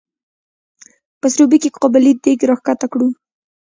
په سروبي کې قابلي دیګ راښکته کړو.